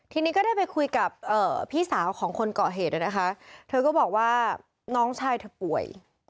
ทีนี้ก็ได้ไปคุยกับพี่สาวของคนเกาะเหตุนะคะเธอก็บอกว่าน้องชายเธอป่วย